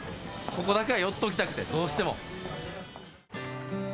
ここだけは寄っときたくてどうしても。